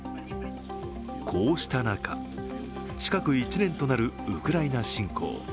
こうした中、近く１年となるウクライナ侵攻。